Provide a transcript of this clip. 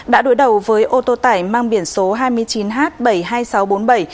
đã đối đầu với ô tô tải mang biển số hai mươi chín h bảy trăm hai mươi sáu b